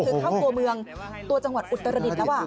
คือเข้าตัวเมืองตัวจังหวัดอุตรดิษฐ์แล้ว